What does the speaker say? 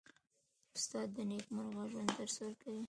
استاد د نېکمرغه ژوند درس ورکوي.